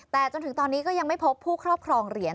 แต่จนถึงตอนนี้ก็ยังไม่พบผู้ครอบครองเหรียญ